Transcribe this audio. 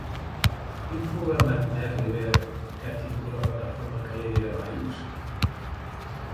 Quin problema ha admès Rivera que ha tingut la plataforma que lidera Valls?